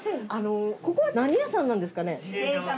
ここは何屋さんなんですかね？